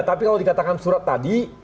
tapi kalau dikatakan surat tadi